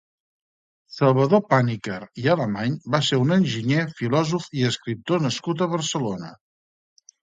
Salvador Pàniker i Alemany va ser un enginyer, filòsof i escriptor nascut a Barcelona.